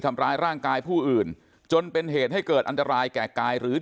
ทำร้ายร่างกายผู้อื่นจนเป็นเหตุให้เกิดอันตรายแก่กายหรือ